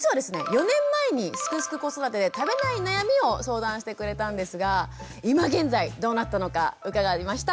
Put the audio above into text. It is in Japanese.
４年前に「すくすく子育て」で食べない悩みを相談してくれたんですが今現在どうなったのか伺いました。